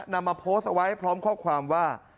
นำมาโพสต์เอาไว้พร้อมข้อความว่า